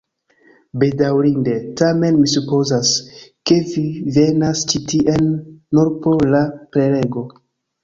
Bedaŭrinde, tamen mi supozas, ke vi venas ĉi tien nur por la prelego